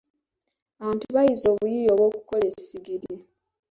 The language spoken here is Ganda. Abantu bayize obuyiiya obw'okukola essigiri.